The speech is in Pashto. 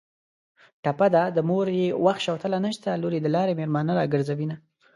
ټپه ده: د مور یې وخت شوتله نشته لور یې د لارې مېلمانه راګرځوینه